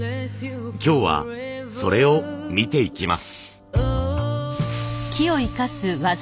今日はそれを見ていきます。